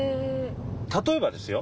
例えばですよ？